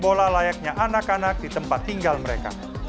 tidak ada yang bisa menahan anak anak di tempat tinggal mereka